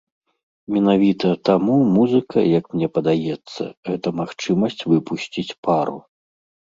Менавіта таму музыка, як мне падаецца, гэта магчымасць выпусціць пару.